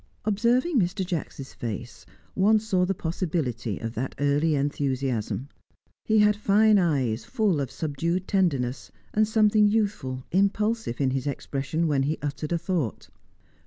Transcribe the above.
Observing Mr. Jacks' face, one saw the possibility of that early enthusiasm; he had fine eyes full of subdued tenderness, and something youthful, impulsive, in his expression when he uttered a thought.